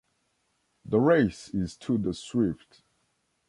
The race is to the swift.